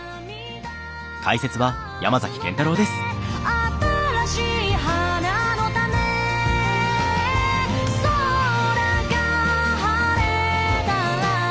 「新しい花の種」「空が晴れたら」